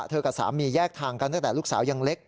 กับสามีแยกทางกันตั้งแต่ลูกสาวยังเล็ก